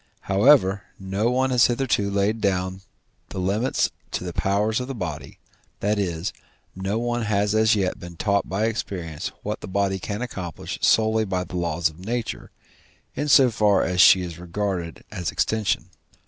However, no one has hitherto laid down the limits to the powers of the body, that is, no one has as yet been taught by experience what the body can accomplish solely by the laws of nature, in so far as she is regarded as extension.